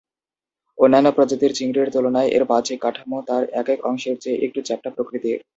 অন্যান্য প্রজাতির চিংড়ির তুলনার এর বাহ্যিক কাঠামো তার একেক অংশের চেয়ে একটু চ্যাপ্টা প্রকৃতির।